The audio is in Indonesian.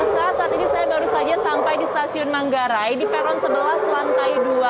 saat ini saya baru saja sampai di stasiun manggarai di peron sebelas lantai dua